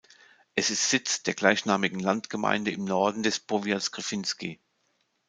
Es ist Sitz der gleichnamigen Landgemeinde im Norden des Powiats Gryfiński.